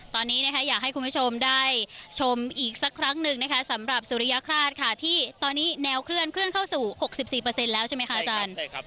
ตอนนี้นะคะอยากให้คุณผู้ชมได้ชมอีกสักครั้งหนึ่งนะคะสำหรับสุริยคราชค่ะที่ตอนนี้แนวเคลื่อนเข้าสู่๖๔แล้วใช่ไหมคะอาจารย์